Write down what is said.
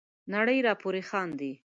نړۍ را پوري خاندي.